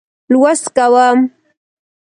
لوست کوم.